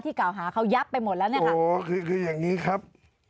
กล่าวหาเขายับไปหมดแล้วเนี่ยค่ะโอ้คือคืออย่างนี้ครับ